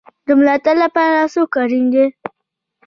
د ملاتړ لپاره څوک اړین دی؟